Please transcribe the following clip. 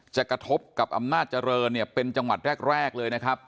กระทบกับอำนาจเจริญเนี่ยเป็นจังหวัดแรกเลยนะครับ